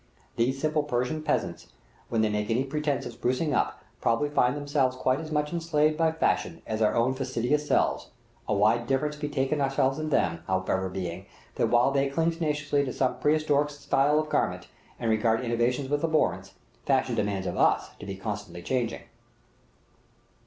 These simple Persian peasants, when they make any pretence of sprucing up, probably find themselves quite as much enslaved by fashion as our very fastidious selves; a wide difference betaken ourselves and them, however, being, that while they cling tenaciously to some prehistoric style of garment, and regard innovations with abhorrence, fashion demands of us to be constantly changing.